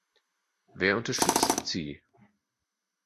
Wer unterstützt sie?